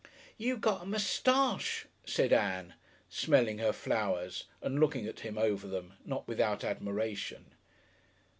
"You got a moustache," said Ann, smelling her flowers and looking at him over them, not without admiration.